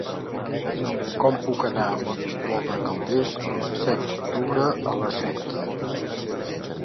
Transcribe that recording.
Com puc anar a Monistrol de Calders el disset d'octubre a les set?